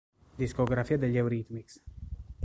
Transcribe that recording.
Discografia degli Eurythmics